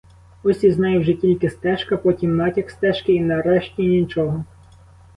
Ось із неї вже тільки стежка, потім натяк стежки і, нарешті, нічого.